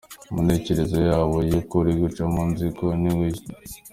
Mu ntekerezo yawo ya ‘Ukuri guca mu ziko ntigushya.